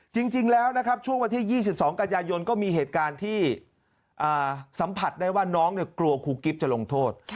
จริงแล้วนะครับช่วงวันที่๒๒กันยายนก็มีเหตุการณ์ที่สัมผัสได้ว่าน้องกลัวครูกิ๊บจะลงโทษ